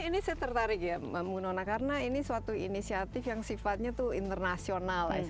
ini saya tertarik ya mbak munona karena ini suatu inisiatif yang sifatnya itu internasional ya